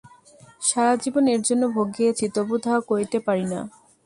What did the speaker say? সারাজীবন এজন্য ভুগিয়াছি, তবু তাহা করিতে পারি না।